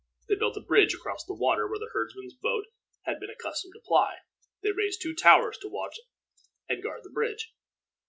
They built a bridge across the water where the herdsman's boat had been accustomed to ply. They raised two towers to watch and guard the bridge.